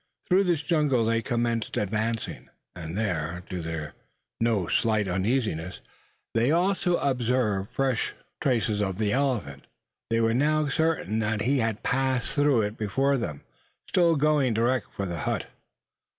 Through this jungle they commenced advancing; and there, to their no slight uneasiness, they also observed fresh traces of the elephant. They were now certain that he had passed through it before them, still going direct for the hut.